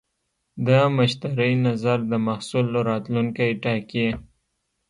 د مشتری نظر د محصول راتلونکی ټاکي.